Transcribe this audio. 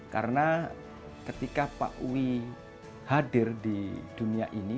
karena ketika pak wi hadir di dunia ini